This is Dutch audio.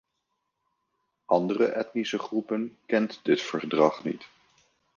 Andere etnische groepen kent dit verdrag niet.